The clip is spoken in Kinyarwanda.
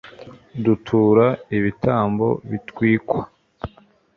dutura ibitambo bitwikwa